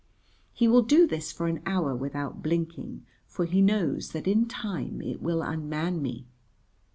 He will do this for an hour without blinking, for he knows that in time it will unman me.